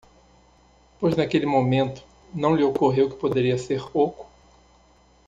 Pois naquele momento? não lhe ocorreu que poderia ser oco.